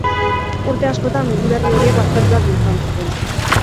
Urte askotan, uhin berri horiek baztertuak izan ziren.